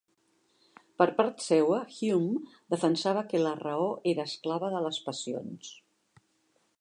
Per part seua, Hume defensava que la raó era esclava de les passions.